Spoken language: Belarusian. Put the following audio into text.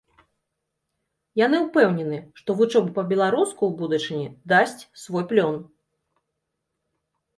Яны ўпэўнены, што вучоба па-беларуску ў будучыні дасць свой плён.